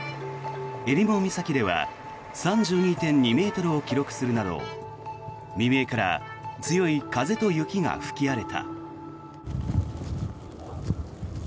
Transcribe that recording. えりも岬では３２．２ｍを記録するなど未明から強い風と雪が吹き荒れた。